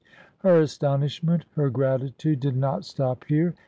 Her astonishment, her gratitude, did not stop here.